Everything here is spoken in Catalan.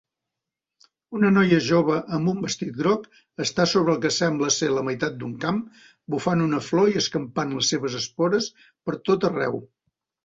Una noia jove amb un vestit groc està sobre el que sembla ser la meitat d'un camp bufant una flor i escampant les seves espores per tot arreu